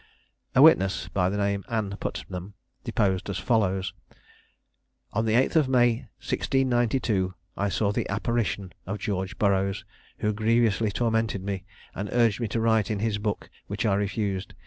A witness, by name Ann Putnam, deposed as follows: On the 8th of May, 1692, I saw the apparition of George Burroughs, who grievously tormented me, and urged me to write in his book, which I refused.